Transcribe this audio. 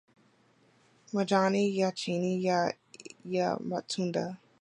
majani ya chini ya matunda